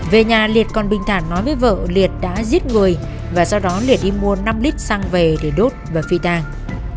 về nhà liệt còn bình thản nói với vợ liệt đã giết người và sau đó liệt đi mua năm lít sang về để đốt và phi tang